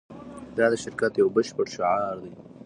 دا د شرکت یو بشپړ شعار دی